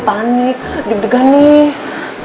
panik deg degan nih